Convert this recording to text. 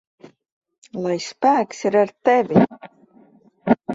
Lai spēks ir ar tevi!